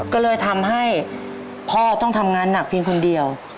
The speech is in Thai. ก็เลยทำให้พ่อต้องทำงานหนักเพียงคนเดียว